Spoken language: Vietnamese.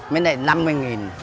mới lại năm mươi